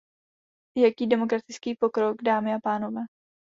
Jaký demokratický pokrok, dámy a pánové!